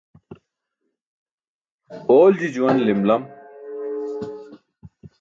Oolji juwan lim lam.